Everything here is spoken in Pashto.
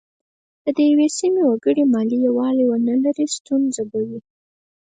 که د یوې سیمې وګړي ملي یووالی ونه لري ستونزه به وي.